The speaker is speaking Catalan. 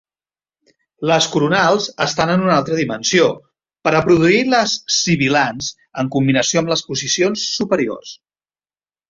Les coronals estan en una altra dimensió, per a produir les sibilants en combinació amb les posicions superiors.